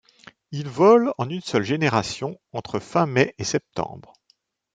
Il vole en une seule génération, entre fin mai et septembre.